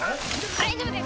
大丈夫です